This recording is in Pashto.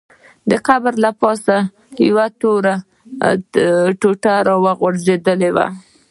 د قبر له پاسه یوه توره ټوټه غوړېدلې وه.